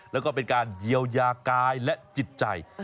แล้วก็เป็นการเยียวยากายและจิตใจ